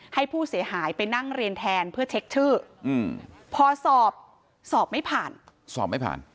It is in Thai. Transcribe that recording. ให้ผู้เสียหายไปนั่งเรียนแทนเพื่อเช็คชื่อพอสอบสอบไม่ผ่านสอบไม่ผ่าน